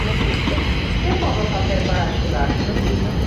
Que podo facer para axudar?